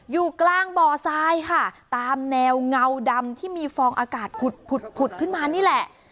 อยู่กลางบ่อทรายค่ะตามแนวเงาดำที่มีฟองอากาศผุดผุดขึ้นมานี่แหละ